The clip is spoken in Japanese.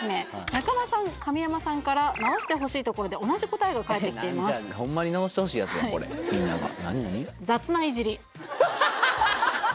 中間さん神山さんから直してほしいところで同じ答えが返ってきていますホンマに直してほしいやつやこれみんながフハハハハ！